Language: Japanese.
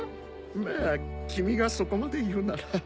まぁ君がそこまで言うなら。